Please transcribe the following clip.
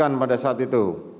ada yang ada saat itu